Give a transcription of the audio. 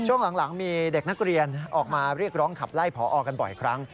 ช่วงหลังมีเด็กนักเรียนออกมาเรียกร้องขับไล่พอกันบ่อยครั้ง